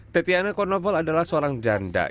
tetiana cornoval adalah seorang janda